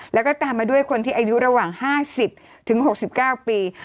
แล้วก็ตามมาด้วยคนที่อายุระหว่าง๕๐๖๙ปี